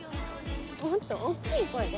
もっと大っきい声で！